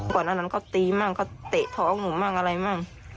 ก่อนอันนั้นก็ตีมากก็เตะท้องหนูมากอะไรมาก